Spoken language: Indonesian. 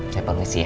saya panggil sih ya